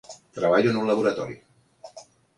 Treballo en un laboratori.